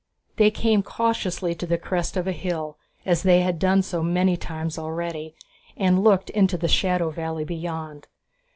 They came cautiously to the crest of a hill, as they had done so many times already, and looked into the shallow valley beyond.